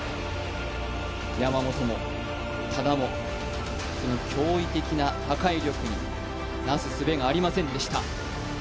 山本も多田も、その驚異的な破壊力になすすべがありませんでした。